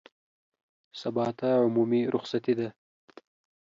سبا ته عمومي رخصتي ده